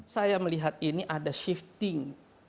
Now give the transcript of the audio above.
saya melihat ini ada shifting